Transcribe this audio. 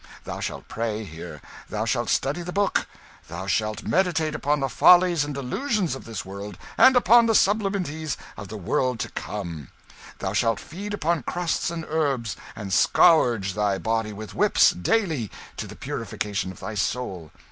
Thou shalt pray here; thou shalt study the Book; thou shalt meditate upon the follies and delusions of this world, and upon the sublimities of the world to come; thou shalt feed upon crusts and herbs, and scourge thy body with whips, daily, to the purifying of thy soul.